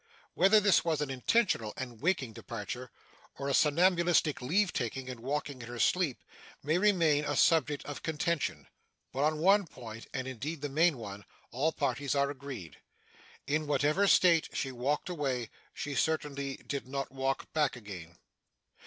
Whether this was an intentional and waking departure, or a somnambulistic leave taking and walking in her sleep, may remain a subject of contention; but, on one point (and indeed the main one) all parties are agreed. In whatever state she walked away, she certainly did not walk back again.